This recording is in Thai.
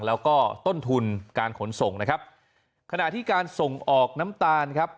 แล้วก็ต้นทุนการขนส่งนะครับขณะที่การส่งออกน้ำตาลครับ